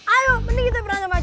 ayo mending kita berantem aja